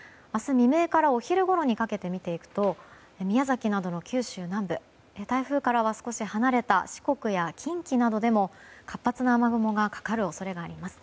未明からお昼ごろにかけて見ていくと宮崎などの九州南部台風からは少し離れた四国や近畿などでも活発な雨雲がかかる恐れがあります。